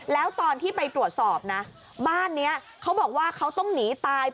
แล้วตอนที่ไปตรวจสอบนะบ้านนี้เขาบอกว่าเขาต้องหนีตาย